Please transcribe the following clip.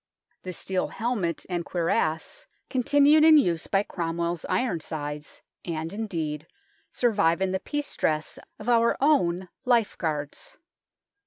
The steel helmet and 3 8 THE TOWER OF LONDON cuirass continued in use by Cromwell's Iron sides, and, indeed, survive in the peace dress of our own Life Guards.